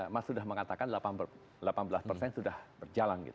mas sudah mengatakan delapan belas persen sudah berjalan